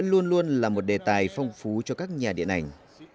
luôn luôn là một đề tài phong phú cho các nhà điện ảnh